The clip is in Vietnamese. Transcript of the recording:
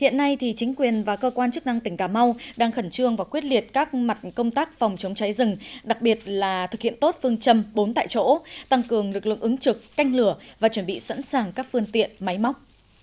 hiện nay chính quyền và cơ quan chức năng tỉnh cà mau đang khẩn trương và quyết liệt các mặt công tác phòng chống cháy rừng đặc biệt là thực hiện tốt phương châm bốn tại chỗ tăng cường lực lượng ứng trực canh lửa và chuẩn bị sẵn sàng các phương tiện máy móc